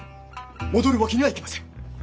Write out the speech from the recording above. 戻るわけにはいきません！